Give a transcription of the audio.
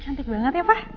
cantik banget ya pak